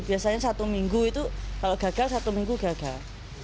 biasanya satu minggu itu kalau gagal satu minggu gagal